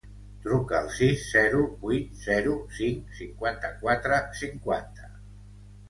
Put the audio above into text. Truca al sis, zero, vuit, zero, cinc, cinquanta-quatre, cinquanta.